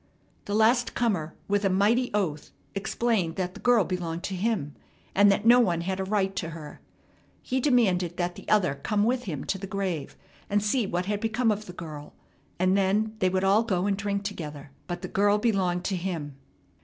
The last comer with a mighty oath explained that the girl belonged to him, and that no one had a right to her. He demanded that the other come with him to the grave, and see what had become of the girl; and then they would all go and drink together but the girl belonged to him.